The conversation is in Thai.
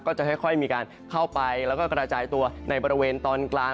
ก็จะค่อยมีการเข้าไปแล้วก็กระจายตัวในบริเวณตอนกลาง